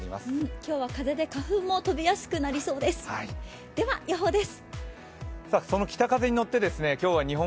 今日は風で花粉も飛びやすくなりそうです。